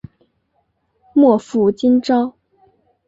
莫负今朝！